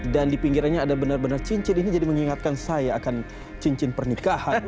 dan di pinggirannya ada benar benar cincin ini jadi mengingatkan saya akan cincin pernikahan